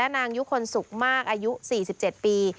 นางยุคลสุขมากอายุ๔๗ปี